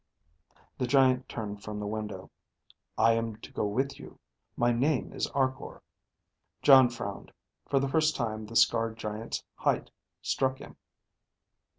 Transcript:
The giant turned from the window. "I am to go with you. My name is Arkor." Jon frowned. For the first time the scarred giant's height struck him.